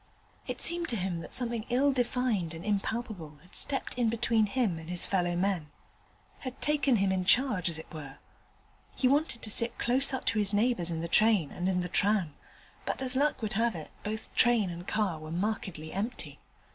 It seemed to him that something ill defined and impalpable had stepped in between him and his fellow men had taken him in charge, as it were. He wanted to sit close up to his neighbours in the train and in the tram, but as luck would have it both train and car were markedly empty.